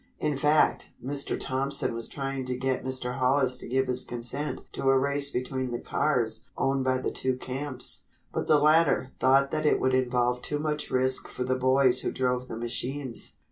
In fact, Mr. Thompson was trying to get Mr. Hollis to give his consent to a race between the cars owned by the two camps. But the latter thought that it would involve too much risk for the boys who drove the machines.